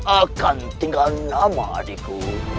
akan tinggal nama adikku